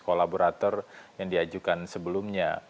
kolaborator yang diajukan sebelumnya